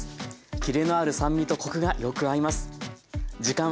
キレのある酸味とコクがよく合います。